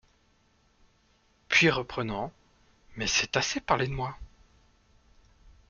Puis, reprenant :« Mais c’est assez parler de moi !